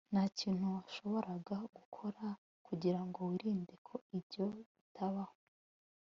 ntakintu washoboraga gukora kugirango wirinde ko ibyo bitabaho